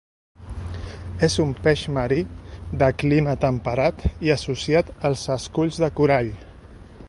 És un peix marí, de clima temperat i associat als esculls de corall.